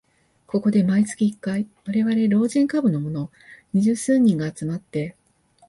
ここで毎月一回、われわれ老人株のもの二十数人が集まって